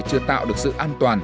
chưa tạo được sự an toàn